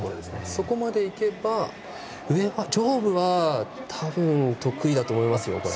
そこまでいけば上部はたぶん、得意だと思います。